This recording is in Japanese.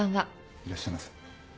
いらっしゃいませ。